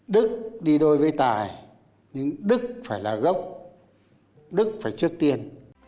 đức đi đôi với tài nhưng đức phải là gốc đức phải trước tiên